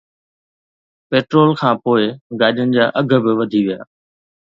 petrol کانپوءِ گاڏين جا اگهه به وڌي ويا